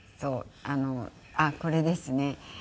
あっこれですね。